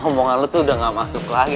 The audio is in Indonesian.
eh ngomongan lo tuh udah gak masuk lagi